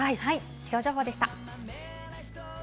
気象情報でした。